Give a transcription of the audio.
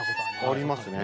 ありますね。